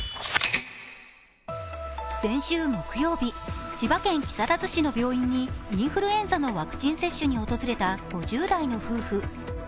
先週木曜日、千葉県木更津市の病院にインフルエンザのワクチン接種に訪れた５０代の夫婦。